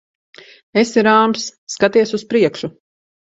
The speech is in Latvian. Esi rāms. Skaties uz priekšu.